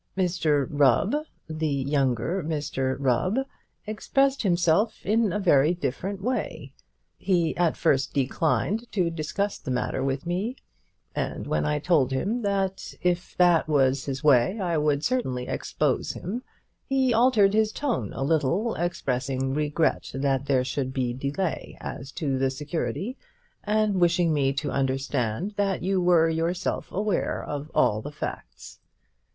Mr Rubb, the younger Mr Rubb, expressed himself in a very different way. He at first declined to discuss the matter with me; and when I told him that if that was his way I would certainly expose him, he altered his tone a little, expressing regret that there should be delay as to the security, and wishing me to understand that you were yourself aware of all the facts.